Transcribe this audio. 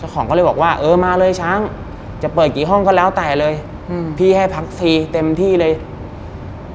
ของก็เลยบอกว่าเออมาเลยช้างจะเปิดกี่ห้องก็แล้วแต่เลยอืมพี่ให้พักฟรีเต็มที่เลย